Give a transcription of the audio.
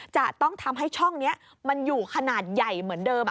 จะต้องทำให้ช่องนี้มันอยู่ขนาดใหญ่เหมือนเดิม